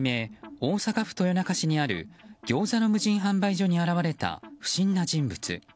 大阪府豊中市にあるギョーザの無人販売所に現れた不審な人物。